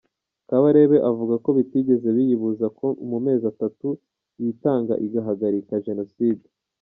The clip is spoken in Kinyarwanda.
Kabarebe avuga ko bitigeze biyibuza ko mu mezi atatu yitanga igahagarika jenoside.